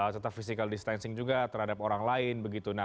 serta physical distancing juga terhadap orang lain